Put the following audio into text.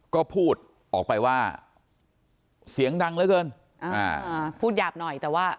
ก็พูดออกไปว่าเสียงดังเหลือเกินอ่าพูดหยาบหน่อยแต่ว่า